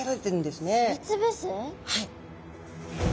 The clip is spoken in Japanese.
はい。